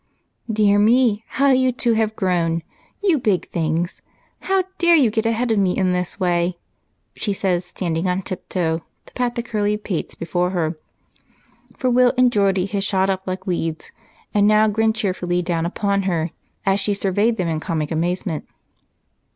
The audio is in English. "Dear me, how you two have grown! You big things how dare you get head of me in this way!" she said, standing on tiptoe to pat the curly pates before her, for Will and Geordie had shot up like weeds, and now grinned cheerfully down upon her as she surveyed them in comic amazement.